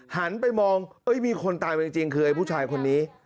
หันไปมองมีคนตายมาจริงคือไอ้ผู้ชายคนนี้